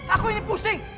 aku ini pusing